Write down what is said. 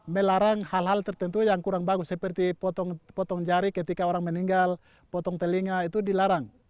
melarang hal hal tertentu yang kurang bagus seperti potong jari ketika orang meninggal potong telinga itu dilarang